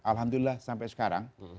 alhamdulillah sampai sekarang